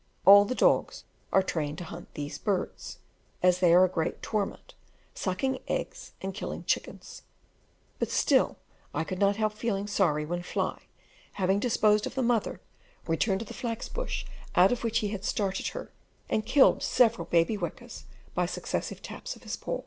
All the dogs are trained to hunt these birds, as they are a great torment, sucking eggs and killing chickens; but still I could not help feeling sorry when Fly, having disposed of the mother, returned to the flax bush out of which he had started her, and killed several baby wekas by successive taps of his paw.